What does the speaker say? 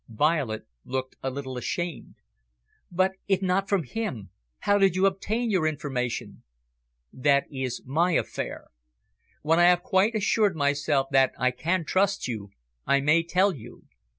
Violet looked a little ashamed. "But if not from him, how did you obtain your information?" "That is my affair. When I have quite assured myself that I can trust you, I may tell you.